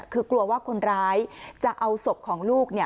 คือกลัวว่าคนร้ายจะเอาศพของลูกเนี่ย